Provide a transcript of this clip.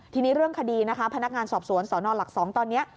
ทีนี้เรื่องคดีนะคะพนักงานสอบสวนสนหลัก๒ตอนนี้